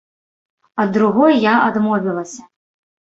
Ад другой я адмовілася.